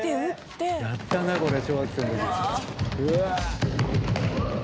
うわ。